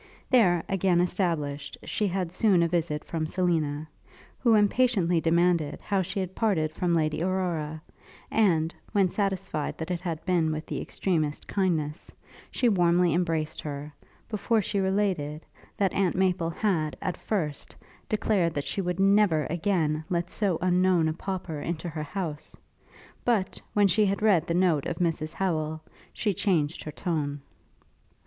There, again established, she had soon a visit from Selina, who impatiently demanded, how she had parted from Lady Aurora; and, when satisfied that it had been with the extremest kindness, she warmly embraced her, before she related, that Aunt Maple had, at first, declared, that she would never, again, let so unknown a pauper into her house; but, when she had read the note of Mrs Howel, she changed her tone.